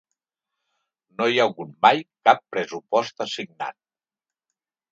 No hi ha hagut mai cap pressupost assignat.